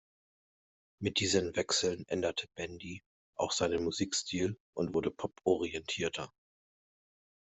Mit diesen Wechseln änderte Bandy auch seinen Musikstil und wurde Pop-orientierter.